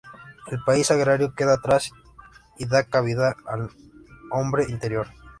El país agrario queda atrás y da cabida al hombre interior.